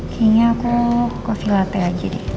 kayaknya aku kopi latte aja deh